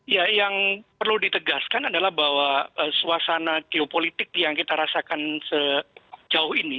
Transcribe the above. ya yang perlu ditegaskan adalah bahwa suasana geopolitik yang kita rasakan sejauh ini